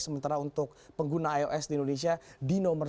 sementara untuk pengguna ios di indonesia di nomor satu